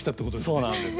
そうなんですはい。